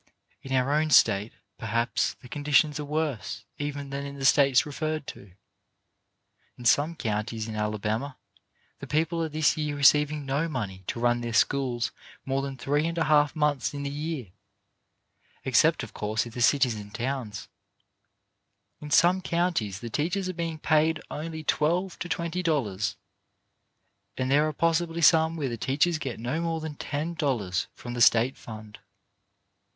In our own state perhaps the conditions are worse even than in the states referred to. In some counties in Alabama the people are this year receiving no money to run their schools more than three and a half months in the year, except, of course, in the cities and towns. In some counties the teachers are being paid only twelve to twenty dollars, and there are possibly some where the teachers get not more than ten dollars from the state fund.